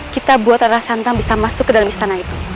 kita buat arah santan bisa masuk ke dalam istana itu